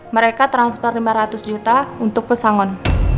mereka transfer lima ratus juta untuk pesangon